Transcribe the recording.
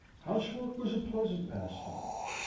Housework was a pleasant pastime.